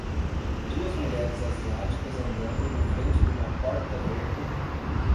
duas mulheres asiáticas andando na frente de uma porta verde